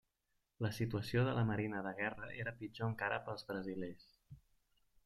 La situació de la marina de guerra era pitjor encara pels brasilers.